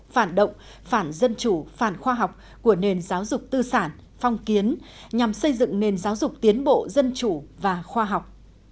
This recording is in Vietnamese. phản động phản dân chủ phản khoa học của nền giáo dục tư sản phong kiến nhằm xây dựng nền giáo dục tiến bộ dân chủ và khoa học